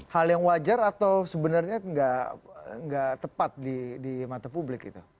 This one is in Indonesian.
hal yang wajar atau sebenarnya nggak tepat di mata publik gitu